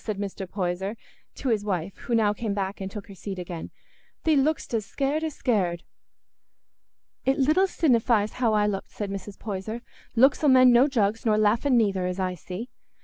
said Mr. Poyser to his wife, who now came back and took her seat again. "Thee look'dst as scared as scared." "It little sinnifies how I looked," said Mrs. Poyser; "looks 'ull mend no jugs, nor laughing neither, as I see.